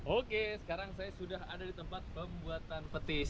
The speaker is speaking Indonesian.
oke sekarang saya sudah ada di tempat pembuatan petis